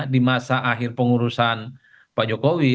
di masa akhir pengurusan pak jokowi